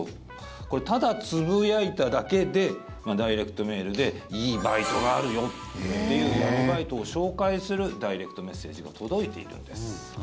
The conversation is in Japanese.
これ、ただつぶやいただけでダイレクトメールでいいバイトがあるよっていう闇バイトを紹介するダイレクトメッセージが届いているんです。